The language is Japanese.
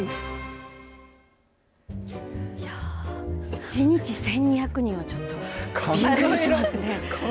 １日、１２００人はちょっとびっくりしますね。